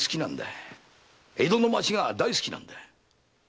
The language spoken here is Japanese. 江戸の町が大好きなんだ。